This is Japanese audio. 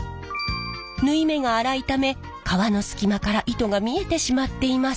縫い目が粗いため革の隙間から糸が見えてしまっています。